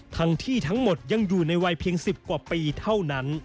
ทั้งที่ทั้งหมดยังอยู่ในวัยเพียง๑๐กว่าปีเท่านั้น